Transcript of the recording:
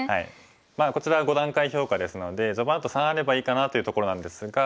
こちら５段階評価ですので序盤だと３あればいいかなというところなんですが。